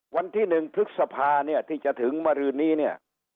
วันที่๑พฤษภาเนี่ยที่จะถึงเมื่อรืนนี้เนี่ย